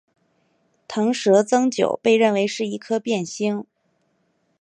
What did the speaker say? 螣蛇增九被认为是一颗变星。